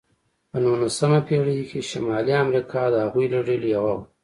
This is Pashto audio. په نوولسمه پېړۍ کې شمالي امریکا د هغوی له ډلې یوه وه.